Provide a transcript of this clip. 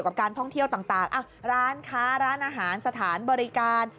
กับการท่องเที่ยวต่างร้านค้าร้านอาหารสถานบริการ